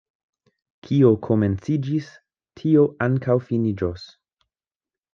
Kio komenciĝis, tio ankaŭ finiĝos.